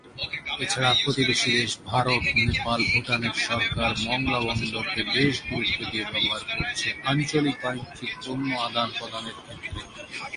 এছাড়া প্রতিবেশী দেশ ভারত নেপাল ভুটানের সরকার মোংলা বন্দরকে বেশ গুরুত্ব দিয়ে ব্যবহার করছে আঞ্চলিক বাণিজ্যিক পণ্য আদান প্রদানের ক্ষেত্রে।